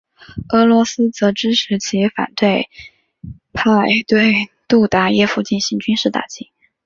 俄罗斯则支持其反对派对杜达耶夫进行军事打击。